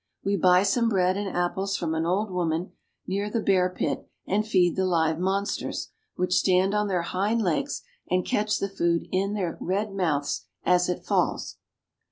We buy some bread and apples from an old woman, near the bear pit, and feed the live monsters, which stand on their hind legs and catch the food in their red mouths as it falls.